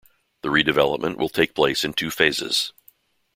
The redevelopment will take place in two phases.